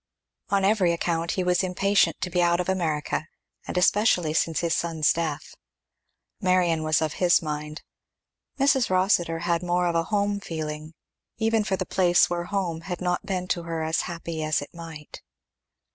On every account he was impatient to be out of America, and especially since his son's death. Marion was of his mind. Mrs. Rossitur had more of a home feeling, even for the place where home had not been to her as happy as it might.